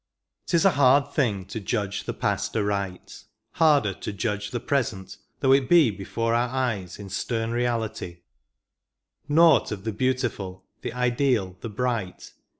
'T IS a hard thing to judge the past aright, Harder to judge the present, though it be Before our eyes in stem reality : Nought of the beautiful, the ideal, the bright.